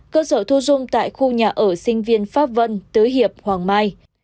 cơ sở thu dung tại khu nhà ở sinh viên pháp vân tứ hiệp hoàng mai